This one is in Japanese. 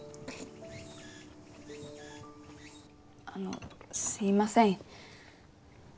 あのすいません。